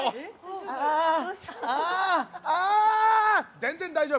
全然大丈夫！